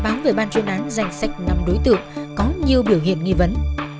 trong vùng lân cận tờ điều tra đã báo về ban chuyên án danh sách năm đối tượng có nhiều biểu hiện nghi vấn